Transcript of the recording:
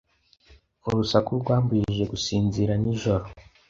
Urusaku rwambujije gusinzira nijoro.